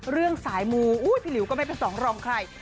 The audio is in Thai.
เรื่องสายมูพี่หลิวก็ไม่เป็นสองรองใคร